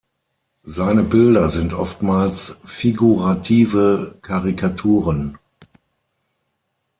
Seine Bilder sind oftmals figurative Karikaturen.